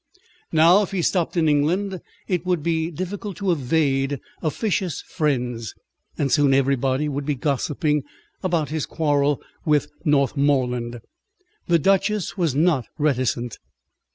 Now, if he stopped in England it would be difficult to evade officious friends, and soon everybody would be gossiping about his quarrel with Northmorland. The Duchess was not reticent.